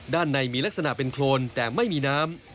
ด้านในมีลักษณะเป็นโครนแต่ไม่มีน้ำ